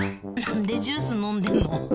何でジュース飲んでんの？